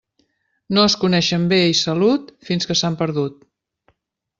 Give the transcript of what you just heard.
No es coneixen bé i salut fins que s'han perdut.